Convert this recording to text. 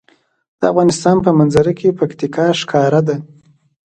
د افغانستان په منظره کې پکتیکا ښکاره ده.